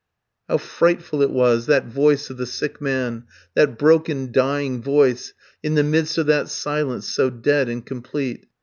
How frightful it was, that voice of the sick man, that broken, dying voice, in the midst of that silence so dead and complete!